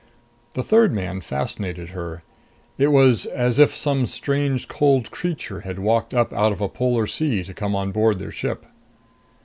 The third man fascinated her. It was as if some strange cold creature had walked up out of a polar sea to come on board their ship.